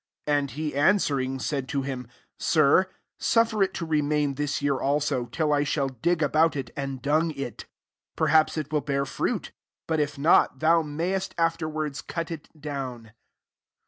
8 And he answering, said to him, * Sir, suffer it to remain this year also, till I shall dig about it, and dung it: 9 perhaps it will bear fruit : but if not, thou mayest afterwards cut it down.